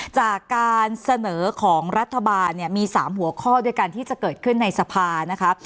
จากการเสนอของรัฐบาลเนี่ยมี๓หัวข้อด้วยกันที่จะเกิดขึ้นในสภานะคะ